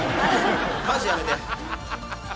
「マジやめて！」